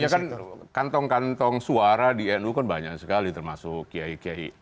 ya kan kantong kantong suara di nu kan banyak sekali termasuk kiai kiai